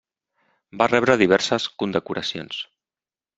Va rebre diverses condecoracions.